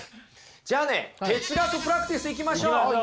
じゃあね哲学プラクティスいきましょう！